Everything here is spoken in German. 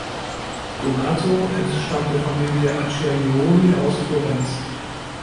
Donato entstammt der Familie Acciaiuoli aus Florenz.